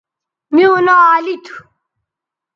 میوں ناں علی تھو